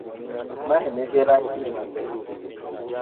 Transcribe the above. Mae nigi rachne mathoth